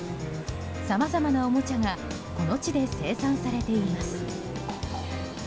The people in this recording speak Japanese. さまざまなおもちゃがこの地で生産されています。